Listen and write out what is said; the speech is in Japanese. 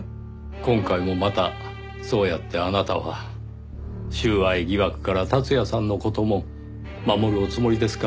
今回もまたそうやってあなたは収賄疑惑から達也さんの事も守るおつもりですか？